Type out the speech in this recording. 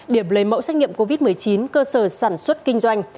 điểm lấy mẫu xét nghiệm covid một mươi chín cơ sở sản xuất kinh doanh